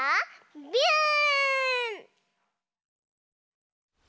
ビューン！